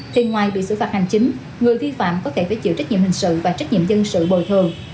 thì ngoài bị xử phạt hành chính người vi phạm có thể phải chịu trách nhiệm hình sự và trách nhiệm dân sự bồi thường